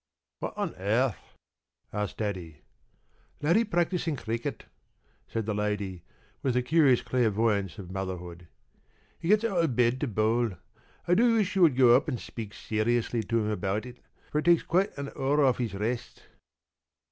p> "What on earth?" asked Daddy. "Laddie practising cricket," said the Lady, with the curious clairvoyance of motherhood. "He gets out of bed to bowl. I do wish you would go up and speak seriously to him about it, for it takes quite an hour off his rest."